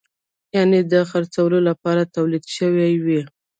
یعنې د خرڅولو لپاره تولید شوی وي.